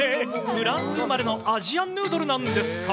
フランス生まれのアジアンヌードルなんですか？